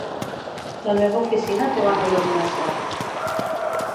La meva oficina té bona il·luminació.